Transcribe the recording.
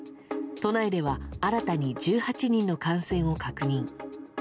都内では、新たに１８人の感染を確認。